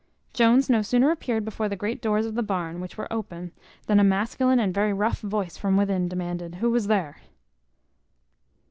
Jones no sooner appeared before the great doors of the barn, which were open, than a masculine and very rough voice from within demanded, who was there?